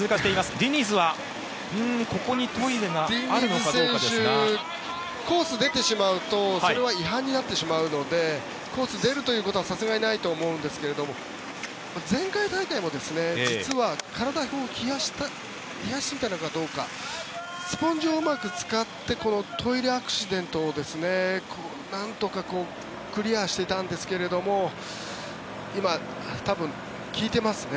ディニズ選手コースを出てしまうとそれは違反になってしまうのでコースを出るということはさすがにないと思いますが前回大会も実は体を冷やしていたのかどうかスポンジをうまく使ってトイレアクシデントをなんとかクリアしていたんですが今、多分聞いてますね。